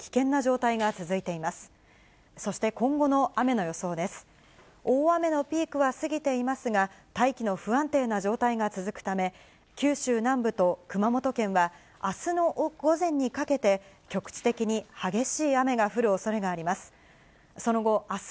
大雨のピークは過ぎていますが、大気の不安定な状態が続くため、九州南部と熊本県は、あすの午前にかけて、局地的に激しい雨が降るおそれがあります。